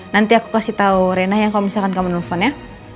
nanti aku kasih tau rena ya kalau misalkan kamu nelfon ya